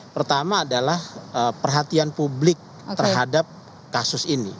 pertama adalah perhatian publik terhadap kasus ini